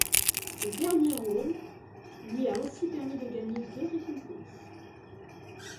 Ce dernier rôle lui a aussi permis de gagner deux récompenses.